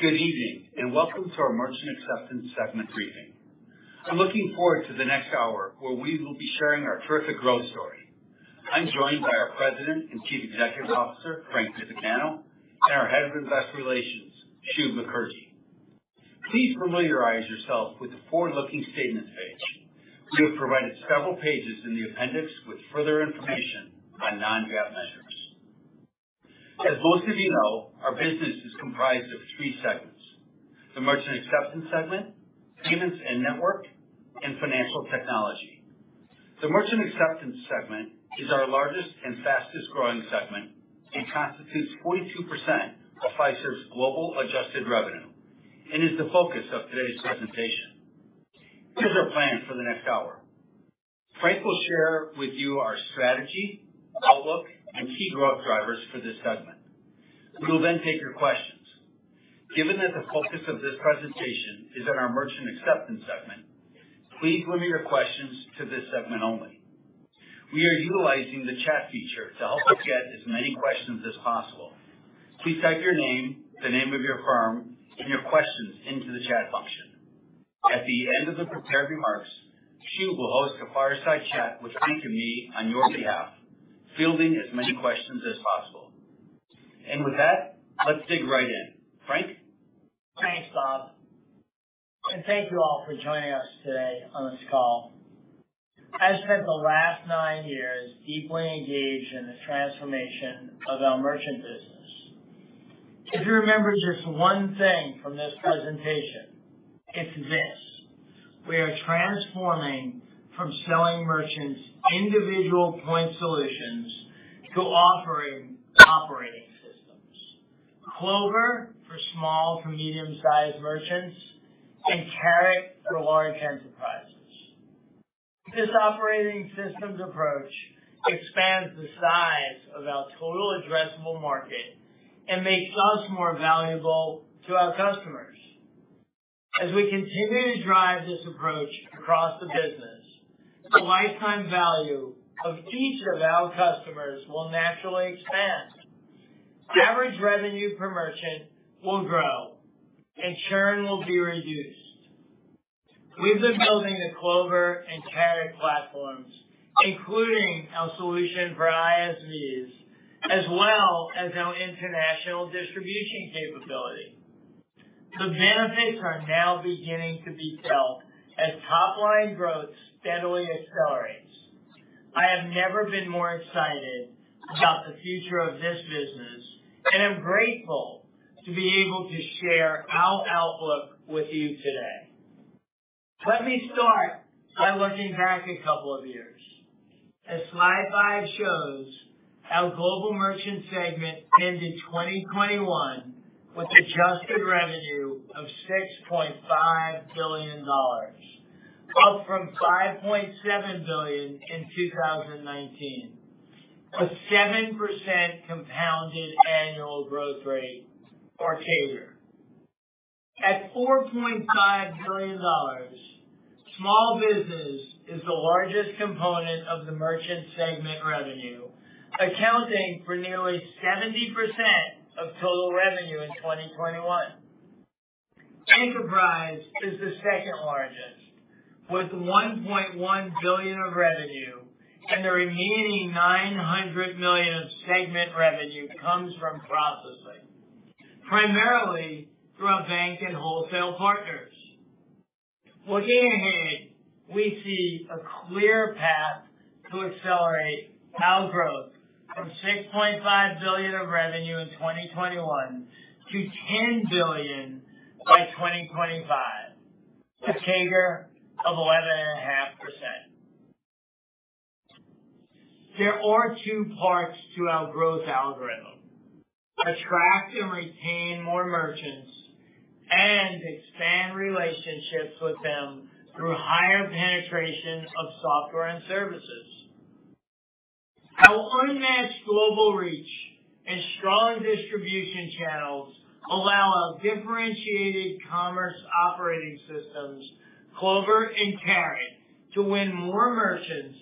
Good evening, and welcome to our Merchant Acceptance segment briefing. I'm looking forward to the next hour where we will be sharing our terrific growth story. I'm joined by our President and Chief Executive Officer, Frank Bisignano, and our Head of Investor Relations, Shub Mukherjee. Please familiarize yourself with the forward-looking statement page. We have provided several pages in the appendix with further information on non-GAAP measures. As most of you know, our business is comprised of three segments: the Merchant Acceptance segment, Payments and Network, and Financial Technology. The Merchant Acceptance segment is our largest and fastest-growing segment and constitutes 42% of Fiserv's global adjusted revenue, and is the focus of today's presentation. Here's our plan for the next hour. Frank will share with you our strategy, outlook, and key growth drivers for this segment. We will then take your questions. Given that the focus of this presentation is on our Merchant Acceptance segment, please limit your questions to this segment only. We are utilizing the chat feature to help us get as many questions as possible. Please type your name, the name of your firm, and your questions into the chat function. At the end of the prepared remarks, Shub will host a fireside chat with Frank and me on your behalf, fielding as many questions as possible. With that, let's dig right in. Frank? Thanks, Bob, and thank you all for joining us today on this call. I spent the last nine years deeply engaged in the transformation of our merchant business. If you remember just one thing from this presentation, it's this: we are transforming from selling merchants individual point solutions to offering operating systems. Clover for small to medium-sized merchants, and Carat for large enterprises. This operating systems approach expands the size of our total addressable market and makes us more valuable to our customers. As we continue to drive this approach across the business, the lifetime value of each of our customers will naturally expand. Average revenue per merchant will grow and churn will be reduced. We've been building the Clover and Carat platforms, including our solution for ISVs, as well as our international distribution capability. The benefits are now beginning to be felt as top line growth steadily accelerates. I have never been more excited about the future of this business, and I'm grateful to be able to share our outlook with you today. Let me start by looking back a couple of years. As slide five shows, our global merchant segment ended 2021 with adjusted revenue of $6.5 billion, up from $5.7 billion in 2019, a 7% compounded annual growth rate or CAGR. At $4.5 billion, small business is the largest component of the merchant segment revenue, accounting for nearly 70% of total revenue in 2021. Enterprise is the second largest, with $1.1 billion of revenue, and the remaining $900 million of segment revenue comes from processing, primarily through our bank and wholesale partners. Looking ahead, we see a clear path to accelerate our growth from $6.5 billion of revenue in 2021 to $10 billion by 2025, a CAGR of 11.5%. There are two parts to our growth algorithm: attract and retain more merchants, and expand relationships with them through higher penetration of software and services. Our unmatched global reach and strong distribution channels allow our differentiated commerce operating systems, Clover and Carat, to win more merchants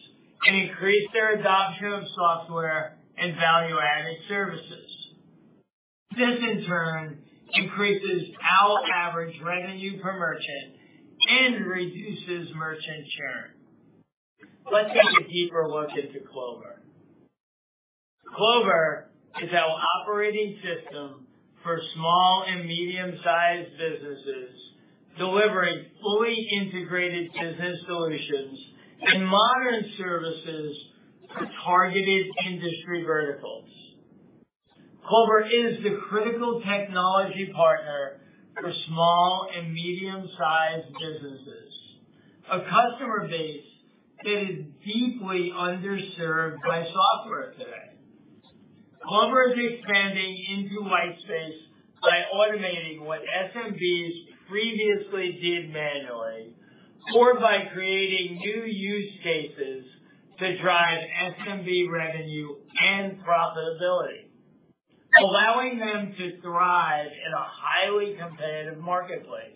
and increase their adoption of software and value-added services. This, in turn, increases our average revenue per merchant and reduces merchant churn. Let's take a deeper look into Clover. Clover is our operating system for small and medium-sized businesses, delivering fully integrated business solutions and modern services for targeted industry verticals. Clover is the critical technology partner for small and medium-sized businesses, a customer base that is deeply underserved by software today. Clover is expanding into white space by automating what SMBs previously did manually, or by creating new use cases to drive SMB revenue and profitability, allowing them to thrive in a highly competitive marketplace.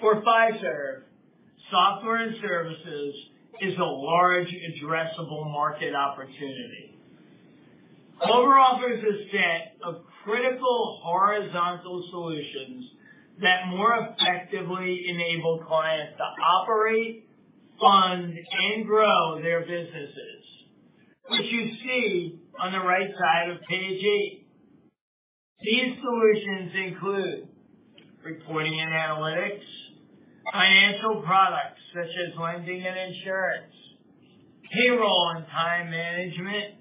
For Fiserv, software and services is a large addressable market opportunity. Clover offers a set of critical horizontal solutions that more effectively enable clients to operate, fund, and grow their businesses, which you see on the right side of page eight. These solutions include reporting and analytics, financial products such as lending and insurance, payroll and time management,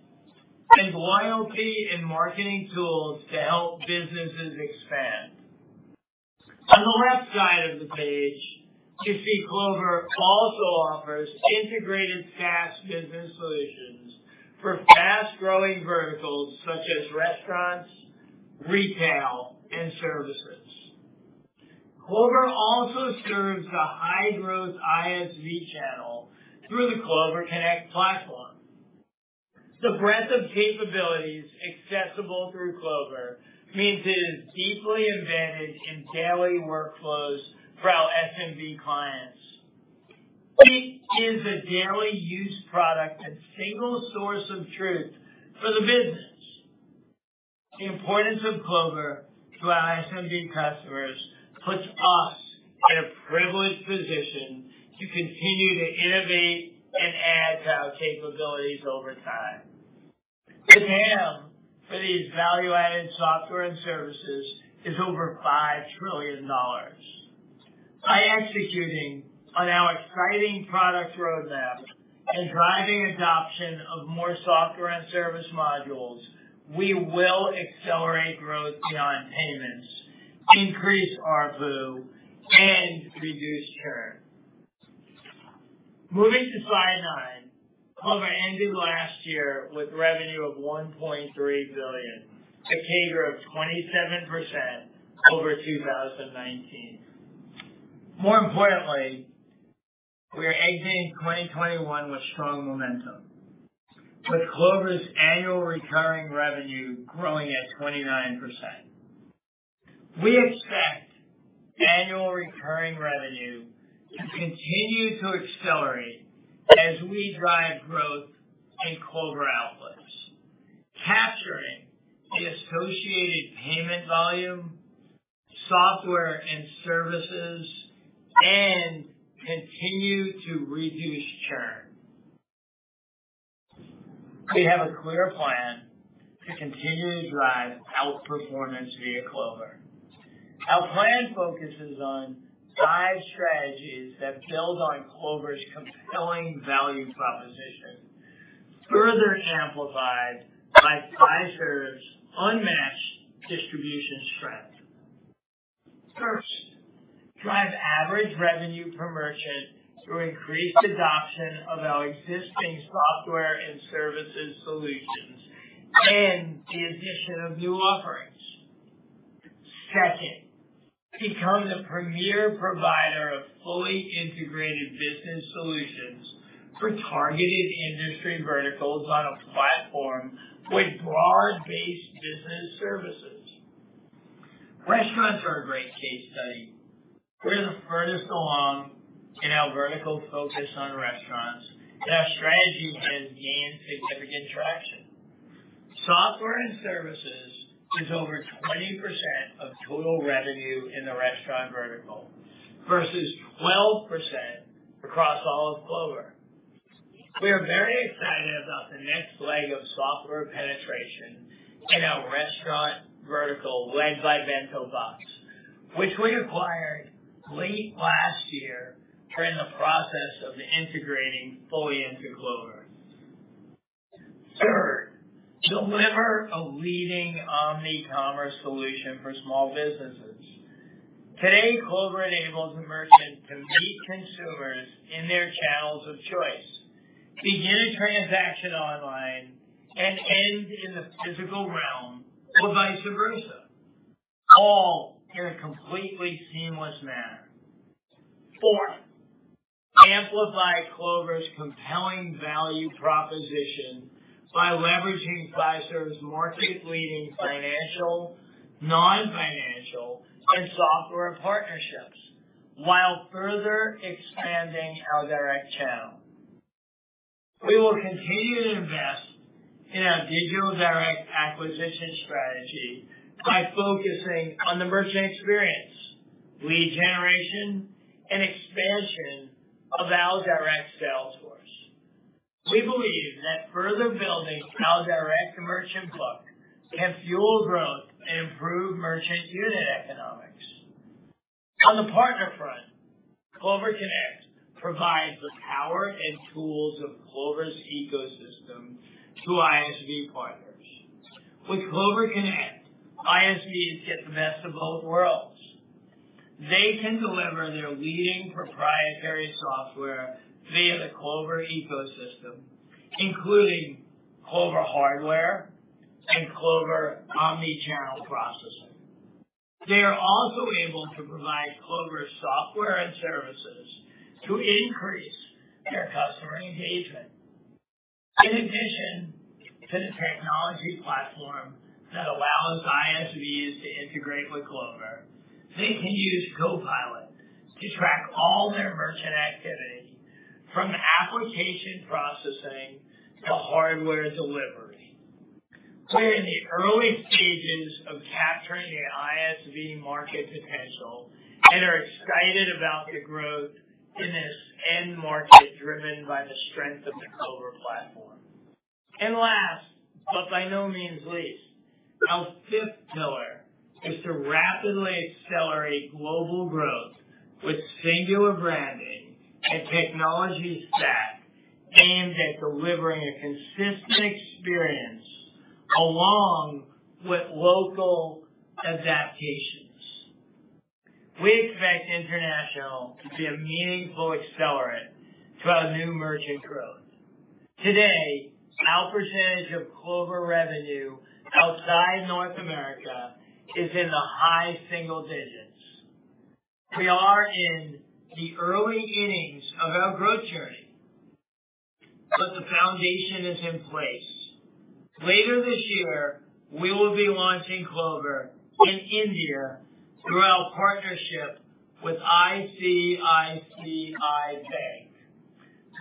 and loyalty and marketing tools to help businesses expand. On the left side of the page, you see Clover also offers integrated SaaS business solutions for fast-growing verticals such as restaurants, retail, and services. Clover also serves the high-growth ISV channel through the Clover Connect platform. The breadth of capabilities accessible through Clover means it is deeply embedded in daily workflows for our SMB clients. It is a daily use product, a single source of truth for the business. The importance of Clover to our SMB customers puts us in a privileged position to continue to innovate and add to our capabilities over time. The TAM for these value-added software and services is over $5 trillion. By executing on our exciting product roadmap and driving adoption of more software and service modules, we will accelerate growth beyond payments, increase ARPU, and reduce churn. Moving to slide nine. Clover ended last year with revenue of $1.3 billion, a CAGR of 27% over 2019. More importantly, we are exiting 2021 with strong momentum. With Clover's annual recurring revenue growing at 29%. We expect annual recurring revenue to continue to accelerate as we drive growth in Clover outlets, capturing the associated payment volume, software and services, and continue to reduce churn. We have a clear plan to continue to drive outperformance via Clover. Our plan focuses on five strategies that build on Clover's compelling value proposition, further amplified by Fiserv's unmatched distribution strength. First, drive average revenue per merchant through increased adoption of our existing software and services solutions and the addition of new offerings. Second, become the premier provider of fully integrated business solutions for targeted industry verticals on a platform with broad-based business services. Restaurants are a great case study. We're the furthest along in our vertical focus on restaurants, and our strategy has gained significant traction. Software and services is over 20% of total revenue in the restaurant vertical versus 12% across all of Clover. We are very excited about the next leg of software penetration in our restaurant vertical led by BentoBox, which we acquired late last year. We're in the process of integrating fully into Clover. Third, deliver a leading omni-commerce solution for small businesses. Today, Clover enables a merchant to meet consumers in their channels of choice, begin a transaction online and end in the physical realm, or vice versa, all in a completely seamless manner. Fourth, amplify Clover's compelling value proposition by leveraging Fiserv's market-leading financial, non-financial, and software partnerships while further expanding our direct channel. We will continue to invest in our digital direct acquisition strategy by focusing on the merchant experience, lead generation, and expansion of our direct sales force. We believe that further building our direct merchant book can fuel growth and improve merchant unit economics. On the partner front, Clover Connect provides the power and tools of Clover's ecosystem to ISV partners. With Clover Connect, ISVs get the best of both worlds. They can deliver their leading proprietary software via the Clover ecosystem, including Clover hardware and Clover omni-commerce processing. They are also able to provide Clover software and services to increase engagement. In addition to the technology platform that allows ISVs to integrate with Clover, they can use CoPilot to track all their merchant activity from application processing to hardware delivery. We're in the early stages of capturing the ISV market potential and are excited about the growth in this end market, driven by the strength of the Clover platform. Last, but by no means least, our fifth pillar is to rapidly accelerate global growth with singular branding and technology stack aimed at delivering a consistent experience along with local adaptations. We expect international to be a meaningful accelerant to our new merchant growth. Today, our percentage of Clover revenue outside North America is in the high single digits percentage. We are in the early innings of our growth journey, but the foundation is in place. Later this year, we will be launching Clover in India through our partnership with ICICI Bank,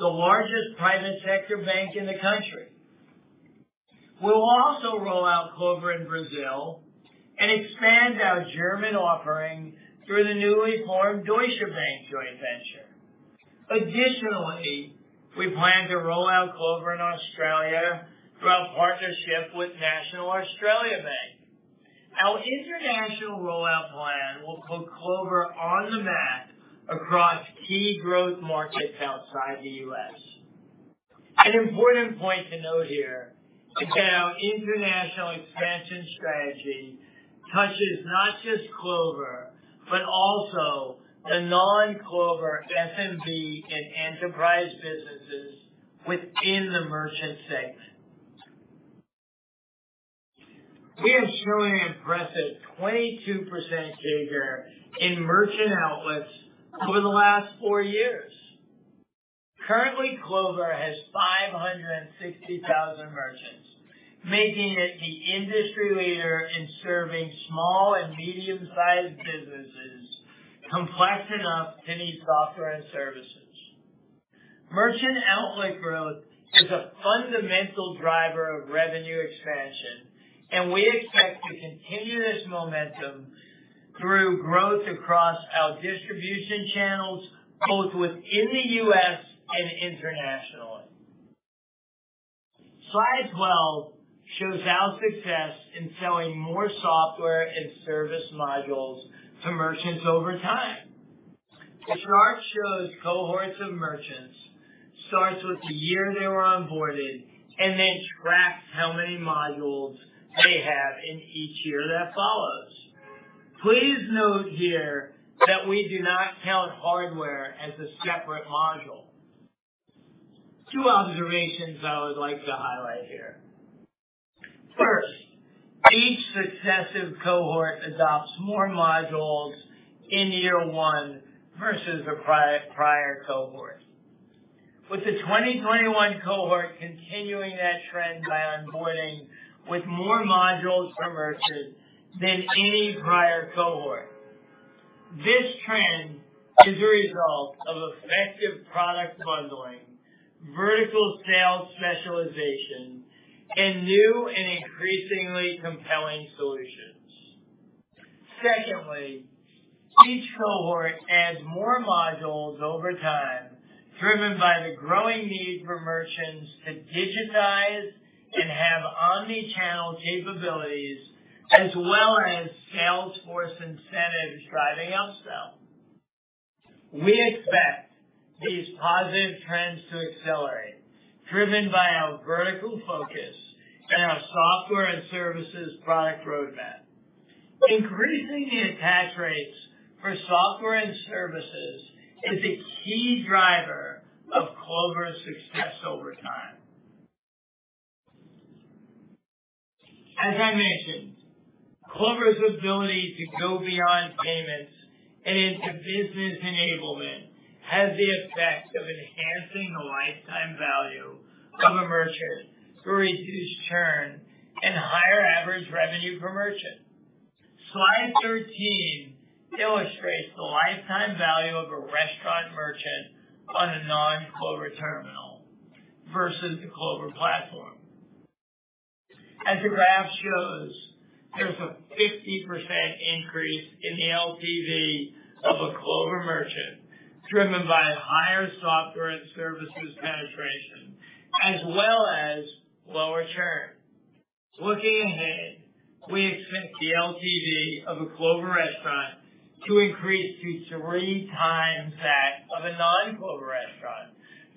the largest private sector bank in the country. We'll also roll out Clover in Brazil and expand our German offering through the newly formed Deutsche Bank joint venture. Additionally, we plan to roll out Clover in Australia through our partnership with National Australia Bank. Our international rollout plan will put Clover on the map across key growth markets outside the U.S. An important point to note here is that our international expansion strategy touches not just Clover, but also the non-Clover SMB and enterprise businesses within the merchant space. We are showing an impressive 22% figure in merchant outlets over the last four years. Currently, Clover has 560,000 merchants, making it the industry leader in serving small and medium-sized businesses complex enough to need software and services. Merchant outlet growth is a fundamental driver of revenue expansion, and we expect to continue this momentum through growth across our distribution channels, both within the U.S. and internationally. Slide 12 shows our success in selling more software and service modules to merchants over time. The chart shows cohorts of merchants, starts with the year they were onboarded, and then tracks how many modules they have in each year that follows. Please note here that we do not count hardware as a separate module. Two observations I would like to highlight here. First, each successive cohort adopts more modules in year one versus the prior cohort, with the 2021 cohort continuing that trend by onboarding with more modules per merchant than any prior cohort. This trend is a result of effective product bundling, vertical sales specialization, and new and increasingly compelling solutions. Secondly, each cohort adds more modules over time, driven by the growing need for merchants to digitize and have omni-commerce capabilities as well as sales force incentives driving upsell. We expect these positive trends to accelerate, driven by our vertical focus and our software and services product roadmap. Increasing the attach rates for software and services is a key driver of Clover's success over time. As I mentioned, Clover's ability to go beyond payments and into business enablement has the effect of enhancing the lifetime value of a merchant through reduced churn and higher average revenue per merchant. Slide 13 illustrates the lifetime value of a restaurant merchant on a non-Clover terminal versus the Clover platform. As the graph shows, there's a 50% increase in the LTV of a Clover merchant, driven by higher software and services penetration as well as lower churn. Looking ahead, we expect the LTV of a Clover restaurant to increase to 3x that of a non-Clover restaurant,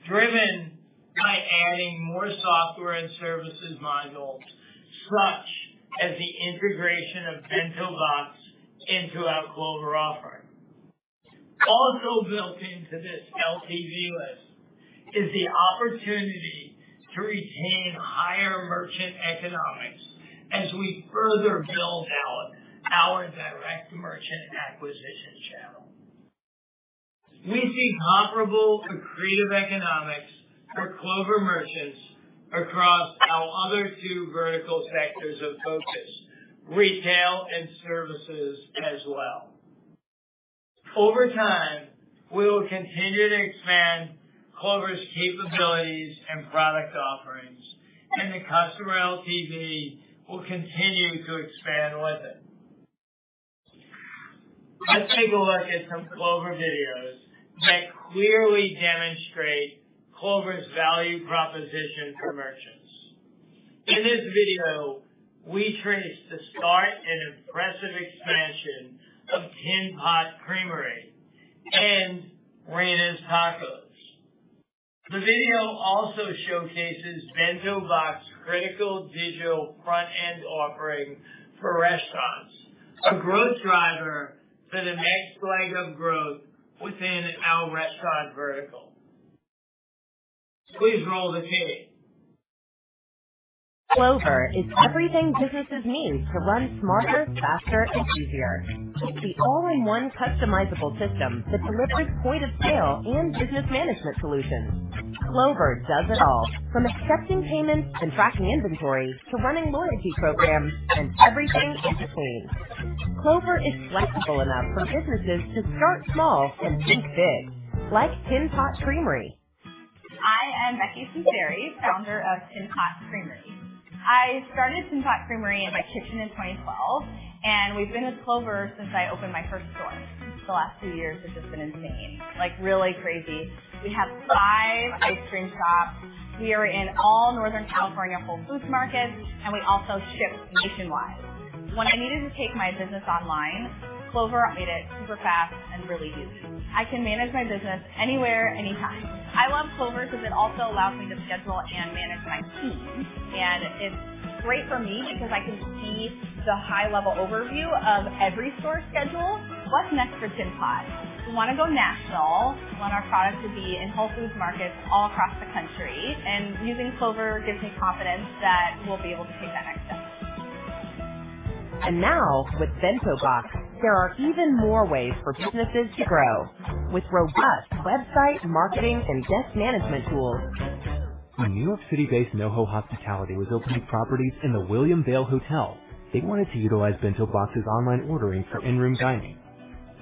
driven by adding more software and services modules such as the integration of BentoBox into our Clover offering. Built into this LTV lift is the opportunity to retain higher merchant economics as we further build out our direct merchant acquisition channel. We see comparable accretive economics for Clover merchants across our other two vertical sectors of focus, retail and services as well. Over time, we will continue to expand Clover's capabilities and product offerings, and the customer LTV will continue to expand with it. Let's take a look at some Clover videos that clearly demonstrate Clover's value proposition for merchants. In this video, we trace the start and impressive expansion of Tin Pot Creamery and Reyna's Tacos. The video also showcases BentoBox critical digital front-end offering for restaurants, a growth driver for the next leg of growth within our restaurant vertical. Please roll the tape. Clover is everything businesses need to run smarter, faster, and easier. It's the all-in-one customizable system that delivers point-of-sale and business management solutions. Clover does it all, from accepting payments and tracking inventory to running loyalty programs and everything in between. Clover is flexible enough for businesses to start small and think big. Like Tin Pot Creamery. I am Becky Sunseri, founder of Tin Pot Creamery. I started Tin Pot Creamery in my kitchen in 2012, and we've been with Clover since I opened my first store. The last two years has just been insane, like, really crazy. We have five ice cream shops. We are in all Northern California Whole Foods Markets, and we also ship nationwide. When I needed to take my business online, Clover made it super fast and really easy. I can manage my business anywhere, anytime. I love Clover 'cause it also allows me to schedule and manage my team, and it's great for me because I can see the high-level overview of every store schedule. What's next for Tin Pot? We wanna go national. We want our product to be in Whole Foods markets all across the country, and using Clover gives me confidence that we'll be able to take that next step. Now with BentoBox, there are even more ways for businesses to grow. With robust website, marketing, and guest management tools. When New York City-based NoHo Hospitality was opening properties in The William Vale, they wanted to utilize BentoBox's online ordering for in-room dining.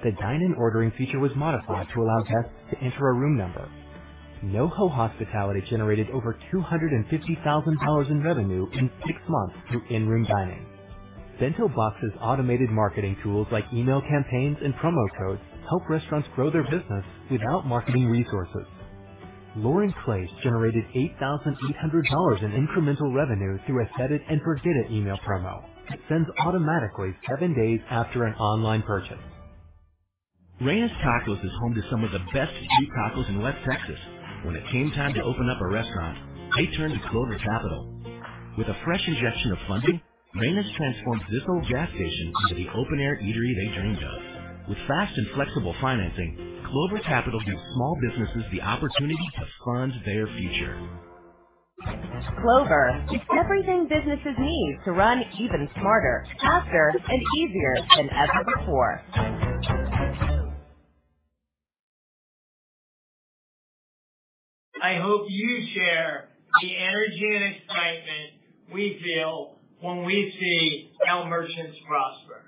The dine-in ordering feature was modified to allow guests to enter a room number. NoHo Hospitality generated over $250,000 in revenue in six months through in-room dining. BentoBox's automated marketing tools, like email campaigns and promo codes, help restaurants grow their business without marketing resources. Lauren's Place generated $8,800 in incremental revenue through a set it and forget it email promo. It sends automatically seven days after an online purchase. Reyna's Tacos is home to some of the best street tacos in West Texas. When it came time to open up a restaurant, they turned to Clover Capital. With a fresh injection of funding, Reyna's Tacos transformed this old gas station into the open air eatery they dreamed of. With fast and flexible financing, Clover Capital gives small businesses the opportunity to fund their future. Clover, everything businesses need to run even smarter, faster, and easier than ever before. I hope you share the energy and excitement we feel when we see our merchants prosper.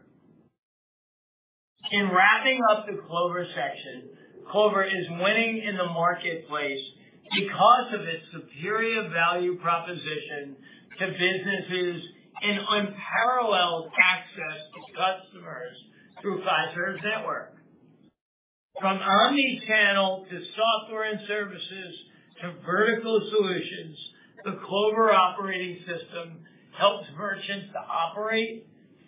In wrapping up the Clover section, Clover is winning in the marketplace because of its superior value proposition to businesses and unparalleled access to customers through Fiserv's network. From omni-commerce to software and services to vertical solutions, the Clover operating system helps merchants to operate,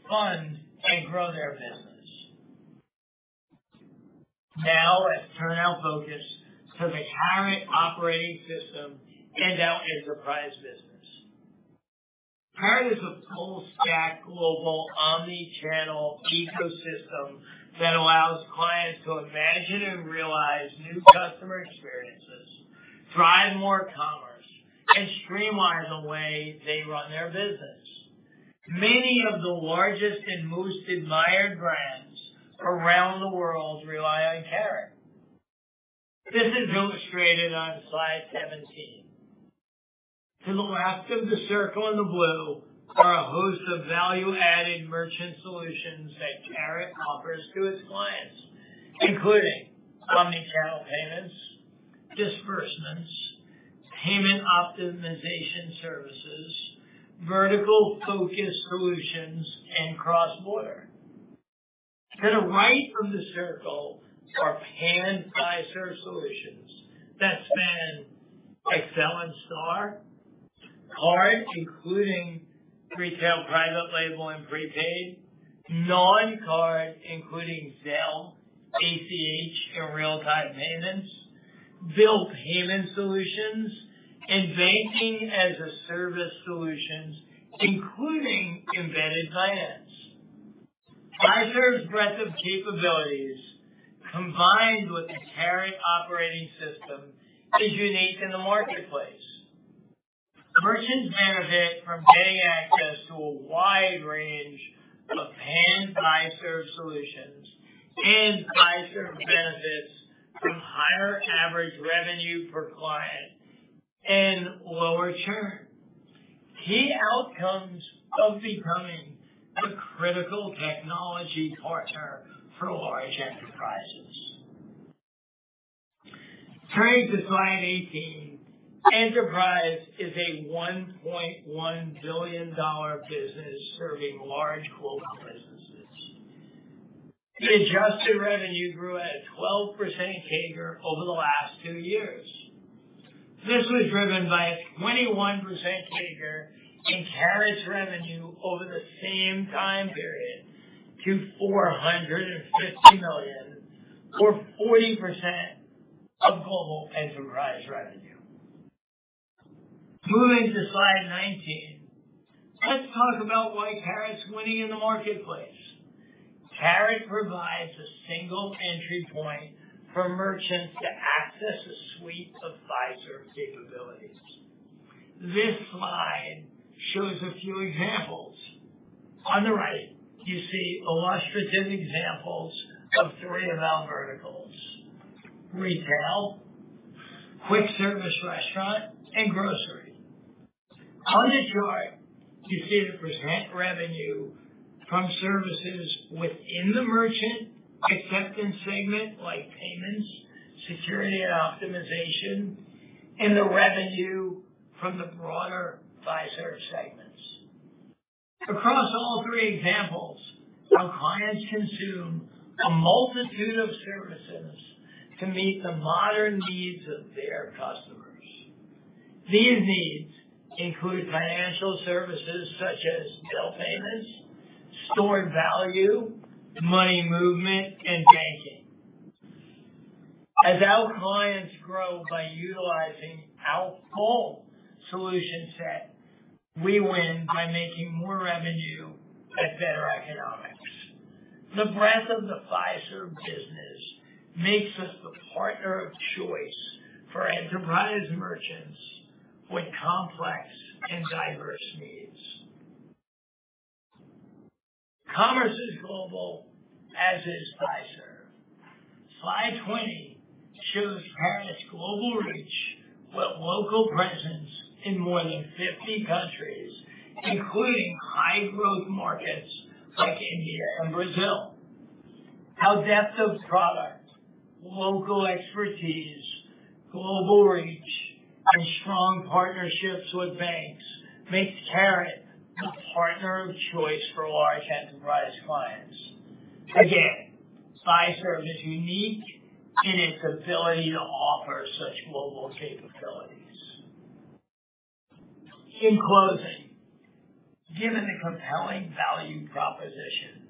fund, and grow their business. Now, let's turn our focus to the Carat operating system and our enterprise business. Carat is a full stack global omni-commerce ecosystem that allows clients to imagine and realize new customer experiences, drive more commerce, and streamline the way they run their business. Many of the largest and most admired brands around the world rely on Carat. This is illustrated on slide 17. To the left of the circle in the blue are a host of value-added merchant solutions that Carat offers to its clients, including omni-commerce payments, disbursements, payment optimization services, vertical-focused solutions, and cross-border. To the right of the circle are parent Fiserv solutions that span Accel and STAR, card, including retail, private label, and prepaid, non-card, including Zelle, ACH, and real-time payments, bill payment solutions, and banking-as-a-service solutions, including embedded finance. Fiserv's breadth of capabilities, combined with the Carat operating system, is unique in the marketplace. Merchants benefit from gaining access to a wide range of end Fiserv solutions, and Fiserv benefits from higher average revenue per client and lower churn. Key outcomes of becoming the critical technology partner for large enterprises. Turning to slide 18, Enterprise is a $1.1 billion business serving large global businesses. The adjusted revenue grew at a 12% CAGR over the last two years. This was driven by a 21% CAGR in Carat revenue over the same time period to $450 million, or 40% of global enterprise revenue. Moving to slide 19. Let's talk about why Carat's winning in the marketplace. Carat provides a single entry point for merchants to access a suite of Fiserv capabilities. This slide shows a few examples. On the right, you see illustrative examples of three of our verticals: retail, quick service restaurant, and grocery. On the chart, you see the percentage of revenue from services within the Merchant Acceptance segment, like payments, security and optimization, and the revenue from the broader Fiserv segments. Across all three examples, our clients consume a multitude of services to meet the modern needs of their customers. These needs include financial services such as bill payments, stored value, money movement, and banking. As our clients grow by utilizing our full solution set, we win by making more revenue at better economics. The breadth of the Fiserv business makes us the partner of choice for enterprise merchants with complex and diverse needs. Commerce is global, as is Fiserv. Slide 20 shows Fiserv's global reach with local presence in more than 50 countries, including high growth markets like India and Brazil. Our depth of product, local expertise, global reach, and strong partnerships with banks makes Carat the partner of choice for large enterprise clients. Again, Fiserv is unique in its ability to offer such global capabilities. In closing, given the compelling value proposition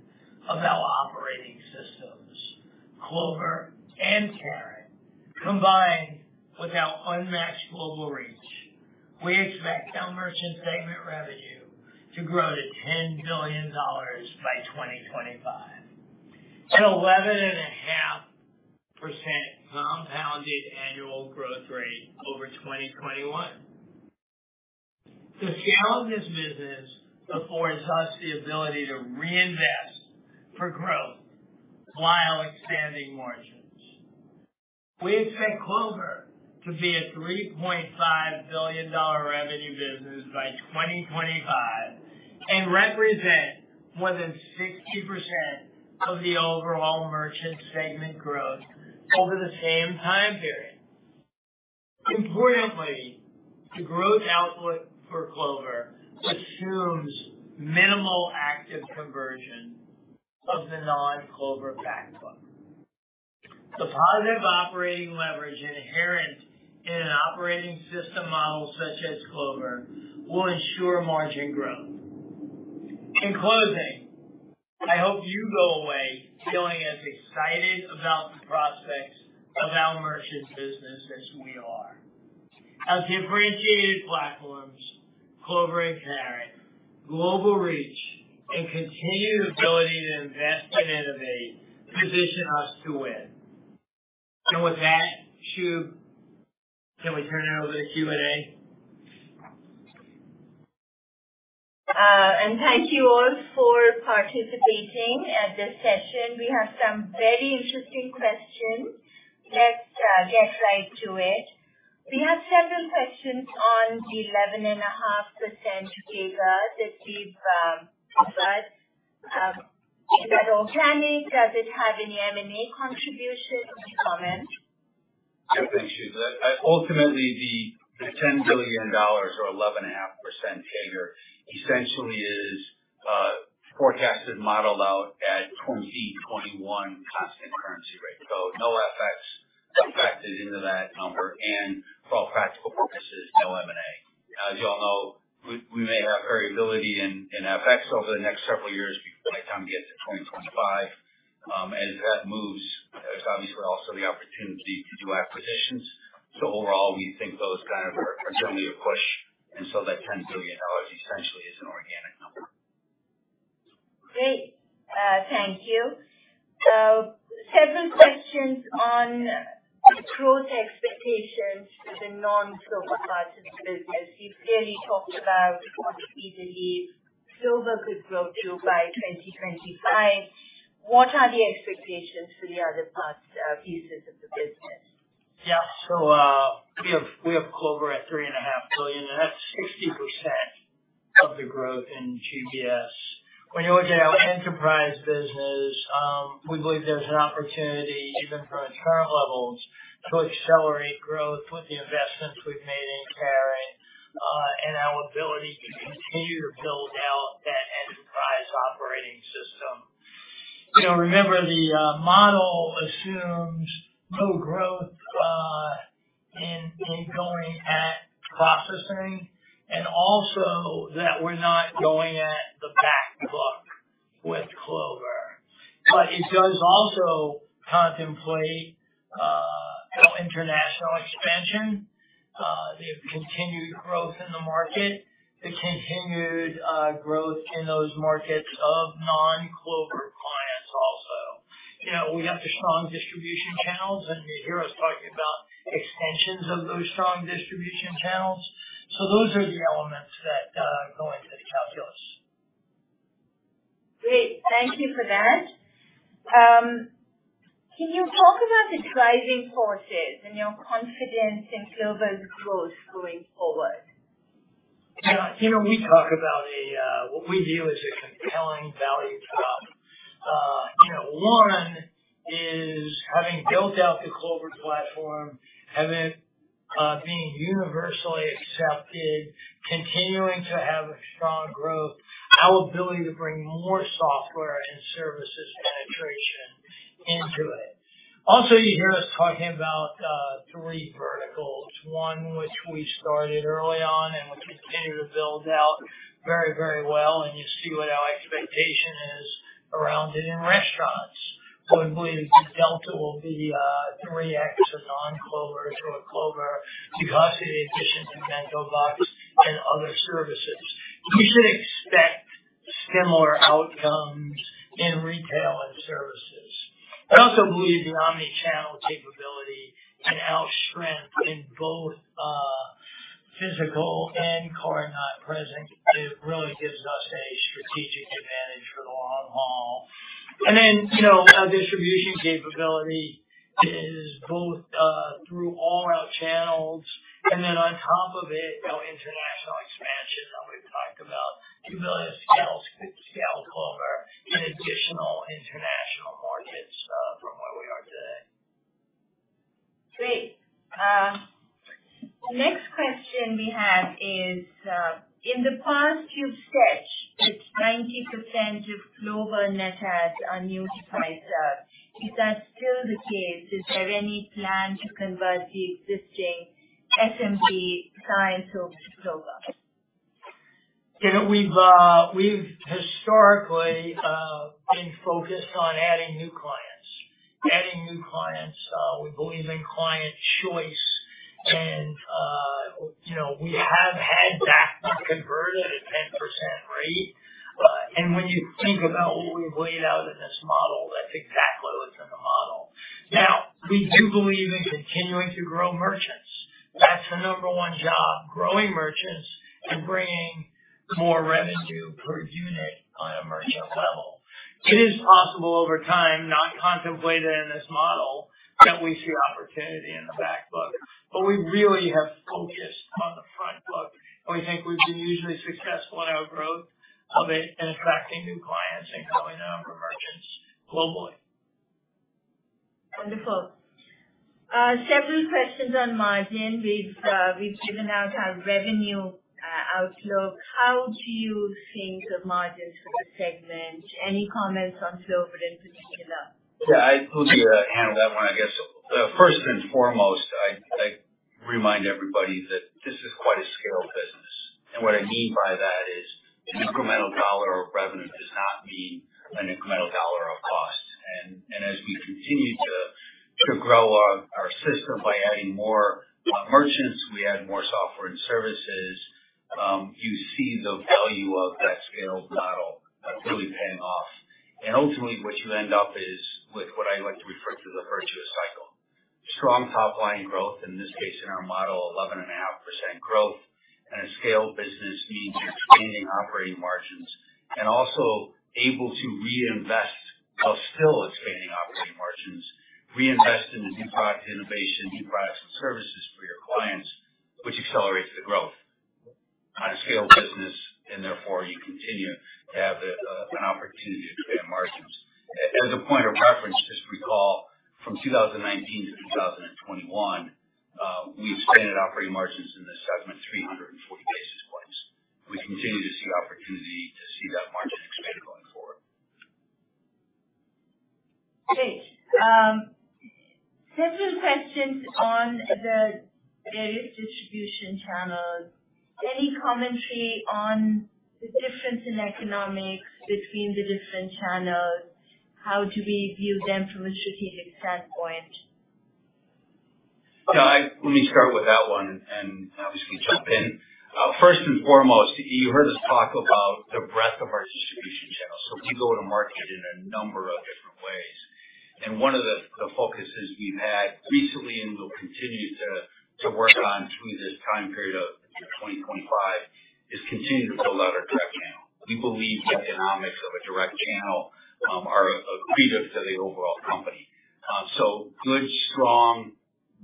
of our operating systems, Clover and Carat, combined with our unmatched global reach, we expect our merchant segment revenue to grow to $10 billion by 2025, an 11.5% compound annual growth rate over 2021. The scale of this business affords us the ability to reinvest for growth while expanding margins. We expect Clover to be a $3.5 billion revenue business by 2025, and represent more than 60% of the overall merchant segment growth over the same time period. Importantly, the growth outlook for Clover assumes minimal active conversion of the non-Clover back book. The positive operating leverage inherent in an operating system model such as Clover will ensure margin growth. In closing, I hope you go away feeling as excited about the prospects of our merchant business as we are. Our differentiated platforms, Clover and Carat, global reach, and continued ability to invest and innovate position us to win. With that, Shub, can we turn it over to Q&A? Thank you all for participating at this session. We have some very interesting questions. Let's get right to it. We have several questions on the 11.5% CAGR that we've discussed. Is that organic? Does it have any M&A contribution? Any comment? Yeah, thanks, Shub. Ultimately, the $10 billion or 11.5% CAGR essentially is forecasted, modeled out at 2021 constant currency rate. No FX factored into that number and for all practical purposes, no M&A. As you all know, we may have variability in FX over the next several years by the time we get to 2025. As that moves, there's obviously also the opportunity to do acquisitions. Overall, we think those kind of are generally a push, and so that $10 billion essentially is an organic number. Great. Thank you. Questions on growth expectations for the non-Clover parts of the business. You've clearly talked about how easily Clover could grow to by 2025. What are the expectations for the other parts, pieces of the business? Yeah, we have Clover at $3.5 billion. That's 60% of the growth in GBS. When you look at our enterprise business, we believe there's an opportunity, even from current levels, to accelerate growth with the investments we've made in Carat and our ability to continue to build out that enterprise operating system. Remember the model assumes no growth in organic processing, and also that we're not going after the back book with Clover. But it does also contemplate international expansion, the continued growth in the market, the continued growth in those markets of non-Clover clients also. We have the strong distribution channels, and you hear us talking about extensions of those strong distribution channels. Those are the elements that go into the calculus. Great. Thank you for that. Can you talk about the driving forces and your confidence in Clover's growth going forward? Yeah. You know, we talk about what we view as a compelling value prop. One is having built out the Clover platform, have it being universally accepted, continuing to have a strong growth, our ability to bring more software and services penetration into it. Also, you hear us talking about three verticals, one which we started early on, and we continue to build out very, very well, and you see what our expectation is around it in restaurants. We believe the delta will be 3x of non-Clover to a Clover because of the efficiency of BentoBox and other services. You should expect similar outcomes in retail and services. I also believe the omni-commerce capability and our strength in both physical and card-not-present, it really gives us a strategic advantage for the long haul. You know, our distribution capability is both through all our channels, and then on top of it, international expansion that we've talked about to be able to scale Clover in additional international markets from where we are today. Great. Next question we have is, in the past, you've said that 90% of Clover net adds are new to Fiserv. Is that still the case? Is there any plan to convert the existing SMB clients over to Clover? We've historically been focused on adding new clients. Adding new clients, we believe in client choice, and we have had back book converted at 10% rate. When you think about what we've laid out in this model, that's exactly what's in the model. Now, we do believe in continuing to grow merchants. That's the number one job, growing merchants and bringing more revenue per unit on a merchant level. It is possible over time, not contemplated in this model, that we see opportunity in the back book, but we really have focused on the front book, and we think we've been usually successful in our growth of it and attracting new clients and growing the number of merchants globally. Wonderful. Several questions on margin. We've given out our revenue outlook. How do you think of margins for the segment? Any comments on Clover in particular? Yeah, will handle that one, I guess. First and foremost, I remind everybody that this is quite a scale business. What I mean by that is an incremental dollar of revenue does not mean an incremental dollar of cost. As we continue to grow our system by adding more merchants, we add more software and services, you see the value of that scale model really paying off. Ultimately, what you end up is with what I like to refer to the virtuous cycle. Strong top line growth, in this case in our model, 11.5% growth and a scaled business means you're expanding operating margins and also able to reinvest while still expanding operating margins, reinvest in new product innovation, new products and services for your clients, which accelerates the growth on a scaled business, and therefore you continue to have the an opportunity to expand margins. As a point of reference, just recall from 2019 to 2021, we expanded operating margins in this segment 340 basis points. We continue to see opportunity to see that margin expand going forward. Great. Several questions on the various distribution channels. Any commentary on the difference in economics between the different channels? How do we view them from a strategic standpoint? Yeah, let me start with that one and obviously jump in. First and foremost, you heard us talk about the breadth of our distribution channel. We go to market in a number of different ways. One of the focuses we've had recently, and we'll continue to work on through this time period of 2025, is continue to build out our direct channel. We believe the economics of a direct channel are accretive to the overall company. Good, strong,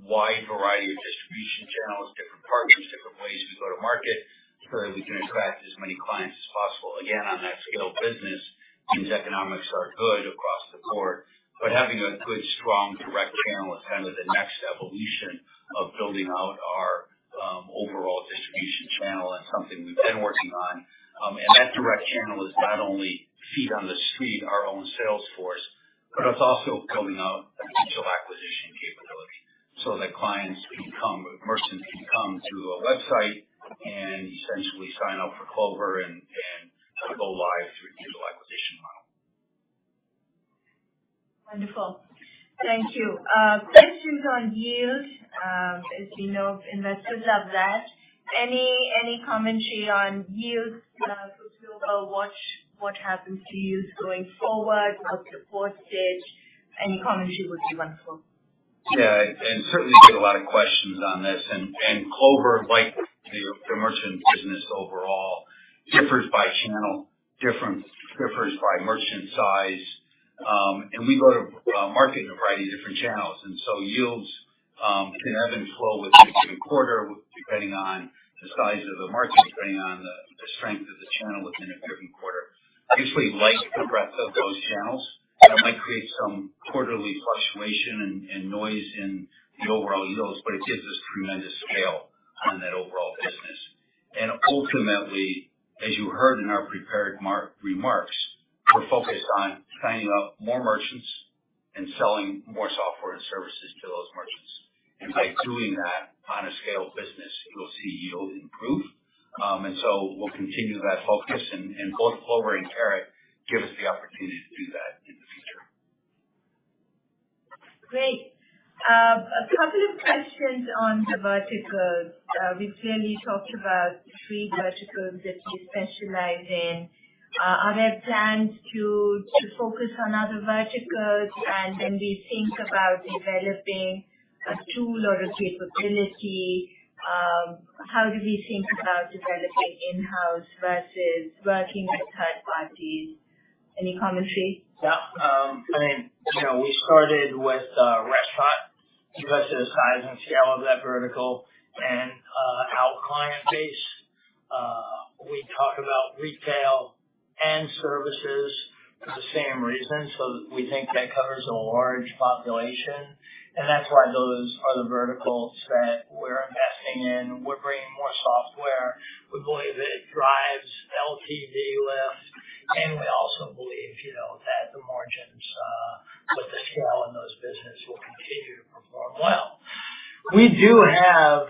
wide variety of distribution channels, different partners, different ways we go to market so that we can attract as many clients as possible. Again, on that small business, those economics are good across the board, but having a good, strong direct channel is kind of the next evolution of building out our overall distribution channel and something we've been working on. That direct channel is not only feet on the street, our own sales force, but it's also building out a digital acquisition capability so that merchants can come to a website and essentially sign up for Clover and go live through a digital acquisition model. Wonderful. Thank you. Questions on yield. As you know, investors love that. Any commentary on yields for global? What happens to yields going forward after post-merger? Any commentary would be wonderful. Yeah, certainly we get a lot of questions on this. Clover, like the merchant business overall, differs by channel, differs by merchant size. We go to market in a variety of different channels, and so yields can [help] and flow with every quarter depending on the size of the market, depending on the strength of the channel within a given quarter. I usually like the breadth of those channels, and it might create some quarterly fluctuation and noise in the overall yields, but it gives us tremendous scale on that overall business. Ultimately, as you heard in our prepared remarks, we're focused on signing up more merchants and selling more software and services to those merchants. By doing that on a scale business, you will see yields improve. We'll continue that focus. Both Clover and Carat give us the opportunity to do that in the future. Great. A couple of questions on the verticals. We've clearly talked about three verticals that you specialize in. Are there plans to focus on other verticals? When we think about developing a tool or a capability, how do we think about developing in-house versus working with third parties? Any commentary? Yeah. I mean, we started with restaurant because of the size and scale of that vertical and our client base. We talk about retail and services for the same reason. We think that covers a large population, and that's why those are the verticals that we're investing in. We're bringing more software. We believe it drives LTV lifts, and we also believe that the margins with the scale in those business will continue to perform well. We do have,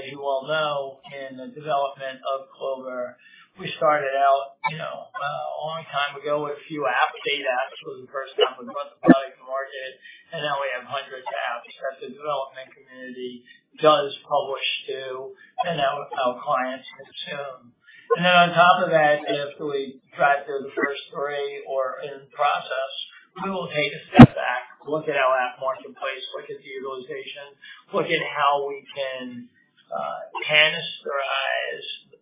as you all know, in the development of Clover, we started out a long time ago with few apps. Data apps was the first app we brought to market, and now we have hundreds of apps that the development community does publish to and that our clients consume. Then on top of that, as we drive through the first three or in process, we will take a step back, look at our app marketplace, look at the utilization, look at how we can containerize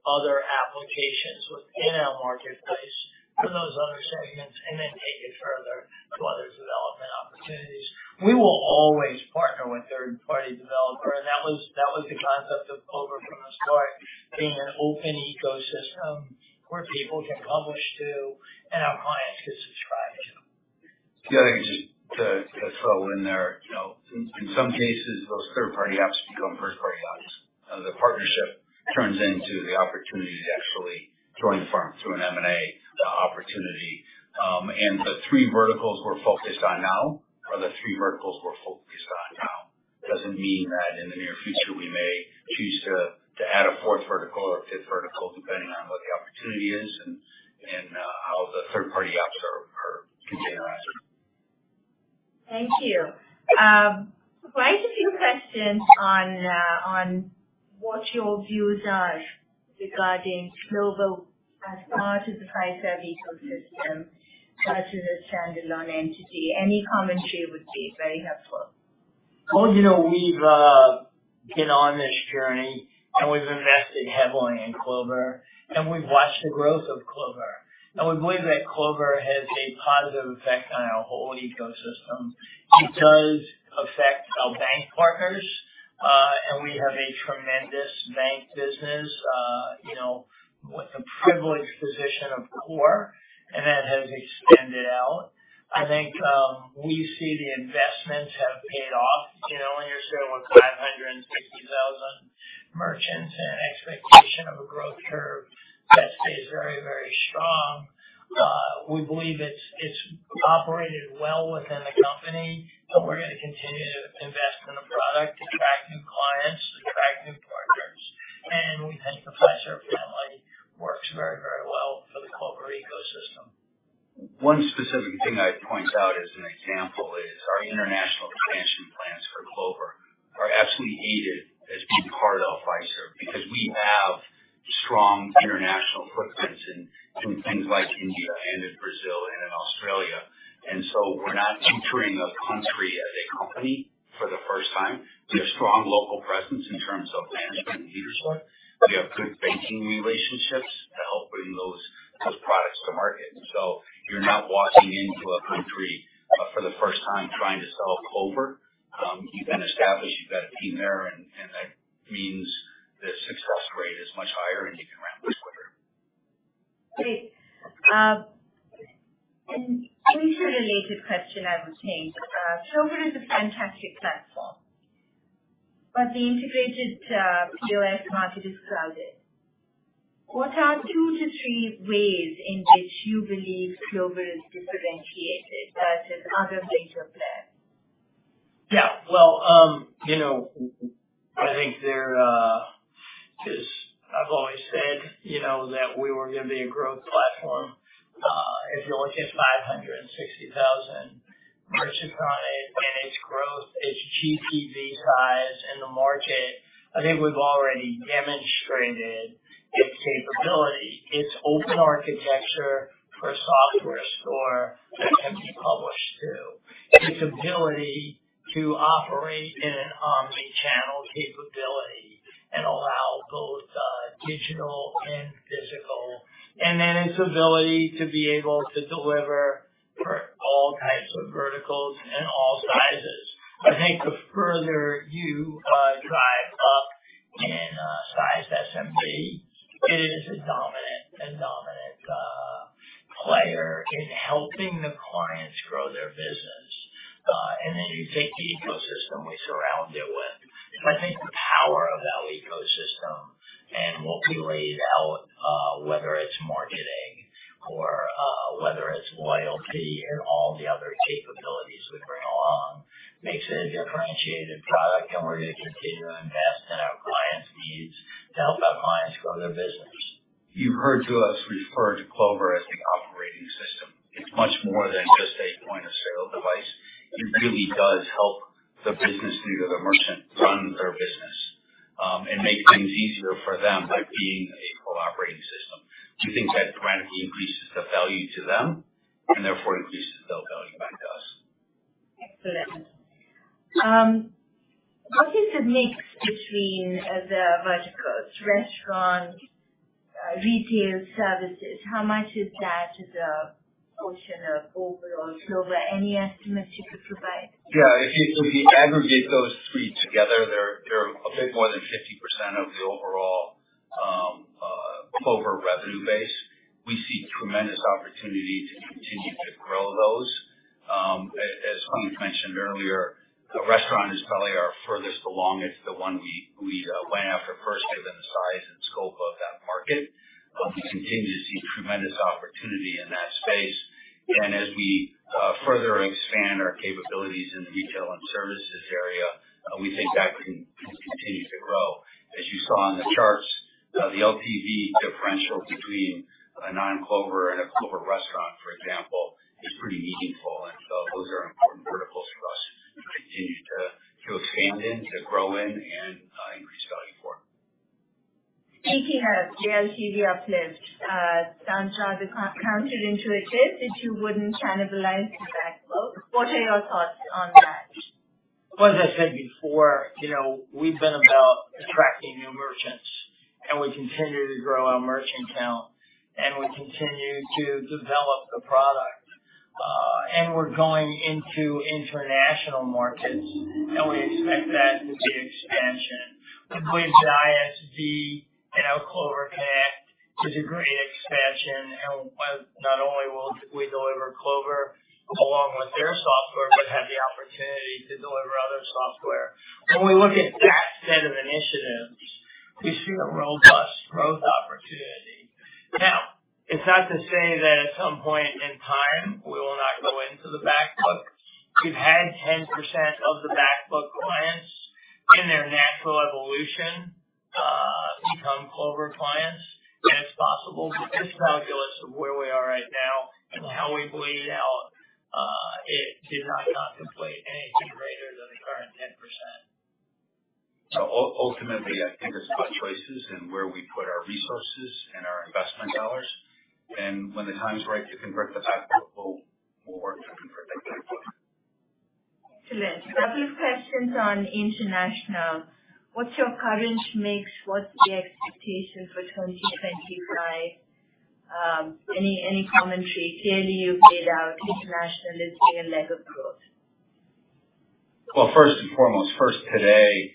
other applications within our marketplace for those other segments, and then take it further to other development opportunities. We will always partner with third-party developer, and that was the concept of Clover from the start, being an open ecosystem where people can publish to and our clients could subscribe to. The other thing, just to throw in there, you know, in some cases, those third-party apps become first-party apps. The partnership turns into the opportunity to actually join the firm through an M&A, the opportunity. The three verticals we're focused on now. Doesn't mean that in the near future we may choose to add a fourth vertical or fifth vertical, depending on what the opportunity is and how the third-party apps are continuing on. Thank you. Quite a few questions on what your views are regarding Clover as part of the Fiserv ecosystem versus a standalone entity. Any commentary would be very helpful. Well, we've been on this journey, and we've invested heavily in Clover, and we've watched the growth of Clover. We believe that Clover has a positive effect on our whole ecosystem. It does affect our bank partners, and we have a tremendous bank business, with the privileged position of core, and that has extended out. I think we see the investments have paid off. You know, when you're sitting with 560,000 merchants and an expectation of a growth curve that stays very, very strong, we believe it's operated well within the company, and we're gonna continue to invest in the product to convert very, very well for the Clover ecosystem. One specific thing I'd point out as an example is our international expansion plans for Clover are absolutely aided as being part of Fiserv because we have strong international Then you take the ecosystem we surround it with. I think the power of that ecosystem, and we'll lay out whether it's marketing or whether it's loyalty and all the other capabilities we bring along, makes it a differentiated product, and we're gonna continue to invest in our clients' needs to help our clients grow their business. You've heard us refer to Clover as the operating system. It's much more than just a point-of-sale device. It really does help the business user, the merchant, run their business, and make things easier for them by being an operating system. We think that dramatically increases the value to them and therefore increases the value back to us. Excellent. What is the mix between the verticals, restaurant, retail, services? How much is that as a portion of overall Clover? Any estimates you could provide? Yeah. If you aggregate those three together, they're a bit more than 50% of the overall Clover revenue base. We see tremendous opportunity to continue to grow those. As mentioned earlier, the restaurant is probably our furthest along. It's the one we went after first given the size and scope of that market. We continue to see tremendous opportunity in that space. As we further expand our capabilities in the retail and services area, we think that can continue to grow. As you saw in the charts, the LTV differential between a non-Clover and a Clover restaurant, for example, is pretty meaningful. Those are important verticals for us to continue to expand in, to grow in, and increase value for. Speaking of LTV uplift, some say the counterintuitive is you wouldn't cannibalize the back book. What are your thoughts on that? As I said before, we've been about attracting new merchants, and we continue to grow our merchant count, and we continue to develop the product. We're going into international markets, and we expect that to be expansion. We believe that ISV and our Clover Connect to degree expansion. Not only will we deliver Clover along with their software, but have the opportunity to deliver other software. When we look at that set of initiatives, we see a robust growth opportunity. Now, it's not to say that at some point in time we will not go into the back book. We've had 10% of the back book clients in their natural evolution become Clover clients, and it's possible. This calculus of where we are right now and how we believe our it does not contemplate anything greater than the current 10%. Ultimately, I think it's about choices and where we put our resources and our investment dollars. When the time is right to convert the back book, we'll work to convert the back book. Excellent. A few questions on international. What's your current mix? What's the expectation for 2025? Any commentary? Clearly, you've laid out international is being a leg of growth. Well, first and foremost today,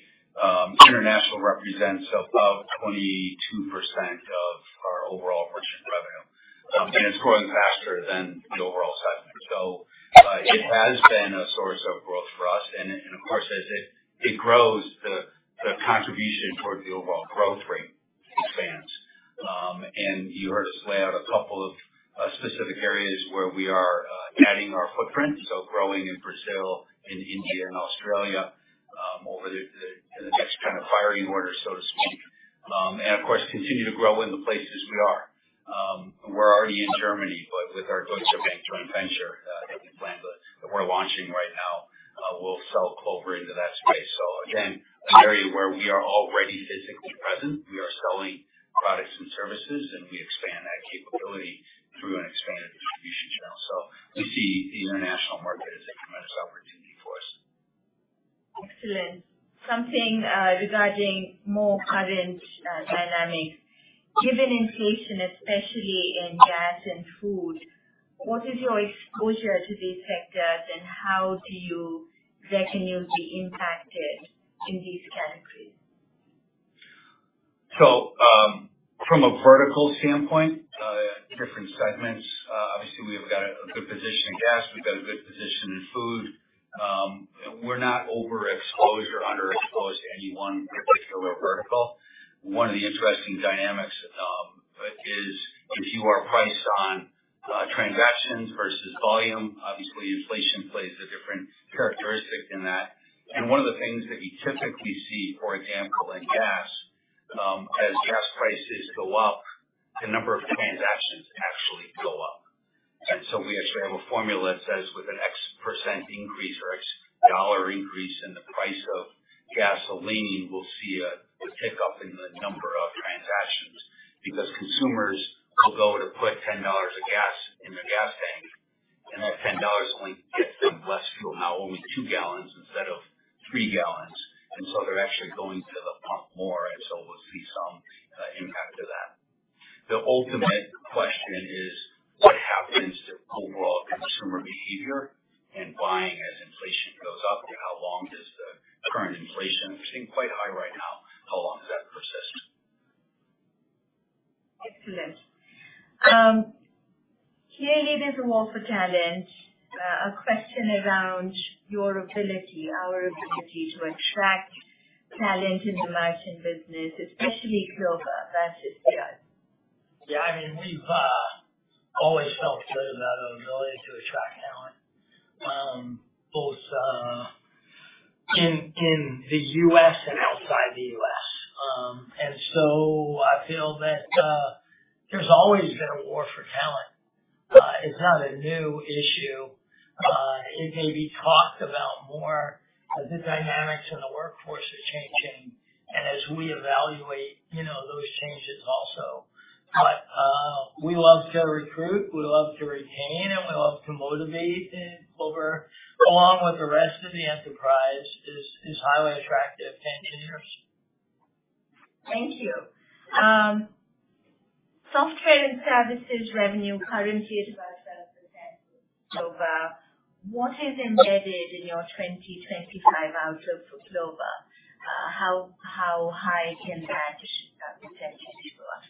international represents about 22% of our overall merchant revenue, and it's growing faster than the overall size. It has been a source of growth for us. Of course, as it grows, the contribution towards the overall growth rate expands. You heard us lay out a couple of specific areas where we are adding our footprint, so growing in Brazil, and India, and Australia in the next kind of higher order, so to speak. Of course we continue to grow in the places we are. We're already in Germany, but with our Deutsche Bank joint venture that we're launching right now, we'll sell Clover into that space. Again, an area where we are already physically present, we are selling products and services, and we expand that capability through an expanded distribution channel. We see the international market as a tremendous opportunity for us. Excellent. Something regarding more current dynamics. Given inflation, especially in gas and food, what is your exposure to these sectors, and how do you reckon you'll be impacted in these categories? From a vertical standpoint, different segments, obviously we've got a good position in gas, we've got a good position in food. We're not overexposed or underexposed to any one particular vertical. One of the interesting dynamics is if you are priced on transactions versus volume, obviously inflation plays a different characteristic in that. One of the things that we typically see, for example, in gas, as gas prices go up, the number of transactions actually go up. We actually have a formula that says with an X% increase or $X increase in the price of gasoline, we'll see a tick-up in the number of transactions because consumers could go to put $10 of gas in their gas tank, and that $10 only gets them less fuel now, only 2 gal instead of 3 gal. They're actually going to the pump more, and so we'll see some impact to that. The ultimate question is what happens to overall consumer behavior and buying as inflation goes up? How long does the current inflation, which is quite high right now, persist? Excellent. Hearing it is a war for talent. A question around your ability, our ability to attract talent in the merchant business, especially Clover versus the others. Yeah, I mean, we've always felt good about our ability to attract talent, both in the U.S. and outside the U.S. I feel that there's always been a war for talent. It's not a new issue. It may be talked about more as the dynamics in the workforce are changing and as we evaluate, those changes also. We love to recruit, we love to retain, and we love to motivate. Clover, along with the rest of the enterprise, is highly attractive to engineers. Thank you. Software and services revenue currently is about 7% of. What is embedded in your 2025 outlook for Clover? How high can that potentially go up?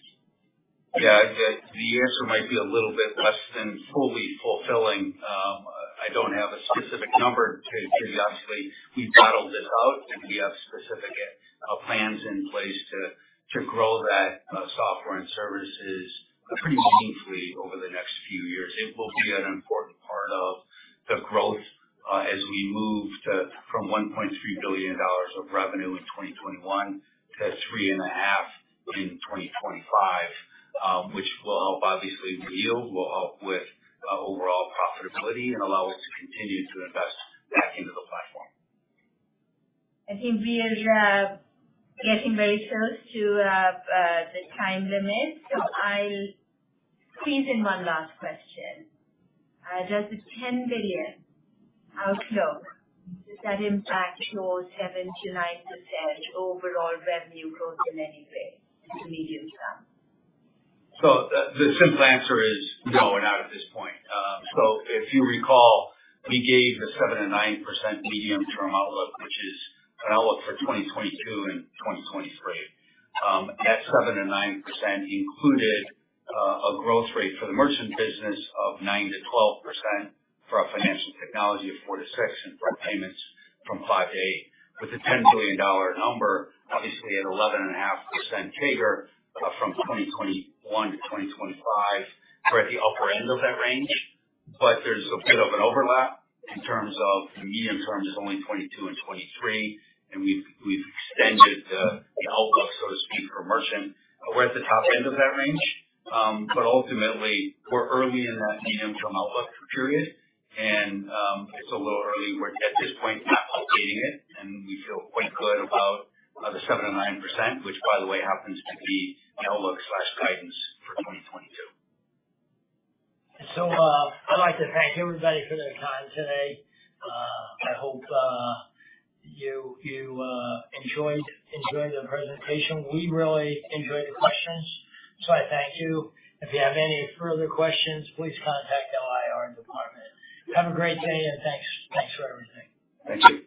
Yeah. The answer might be a little bit less than fully fulfilling. I don't have a specific number to... Obviously, we've modeled this out, and we have specific plans in place to grow that software and services pretty meaningfully over the next few years. It will be an important part of the growth as we move from $1.3 billion of revenue in 2021 to $3.5 billion in 2025, which will help obviously with yield, will help with overall profitability, and allow us to continue to invest back into the platform. I think we are getting very close to the time limit, so I'll squeeze in one last question. Does the $10 billion outlook impact your 7%-9% overall revenue growth in any way in the medium term? The simple answer is no, we're not at this point. If you recall, we gave the 7%-9% medium-term outlook, which is an outlook for 2022 and 2023. That 7%-9% included a growth rate for the merchant business of 9%-12%, for our financial technology of 4%-6%, and for our payments from 5%-8%. With the $10 billion number, obviously at 11.5% CAGR from 2021 to 2025, we're at the upper end of that range. There's a bit of an overlap in terms of the medium term is only 2022 and 2023, and we've extended the outlook, so to speak, for merchant. We're at the top end of that range. Ultimately we're early in that medium-term outlook period. It's a little early. We're at this point not updating it, and we feel quite good about the 7%-9%, which by the way happens to be the outlook slash guidance for 2022. I'd like to thank everybody for their time today. I hope you enjoyed the presentation. We really enjoyed the questions, so I thank you. If you have any further questions, please contact our IR department. Have a great day and thanks for everything. Thank you.